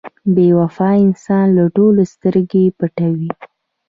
• بې وفا انسان له ټولو سترګې پټوي.